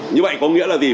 như vậy có nghĩa là gì